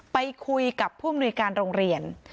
ไปคุยกับผู้มนุยการโรงเรียน